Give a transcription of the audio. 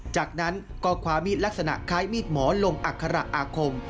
จากนั้นก็คว้ามีดลักษณะคล้ายมีดหมอลงอัคระอาคม